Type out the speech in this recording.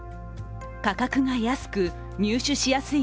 価格が安く、入手しやすい